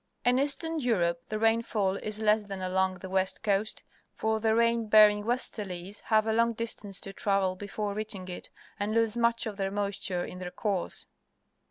In Eastern Europe the rainfall is less than along the west coast, for the rain bearing westerlies have a long distance to travel be fore reaching it and lose much of their moisture in their course.